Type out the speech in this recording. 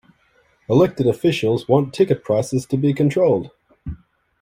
Elected officials want ticket prices to be controlled.